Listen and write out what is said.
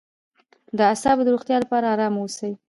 د اعصابو د روغتیا لپاره ارام اوسئ